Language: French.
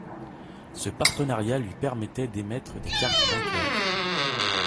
Ce partenariat lui permettait d’émettre des cartes bancaires.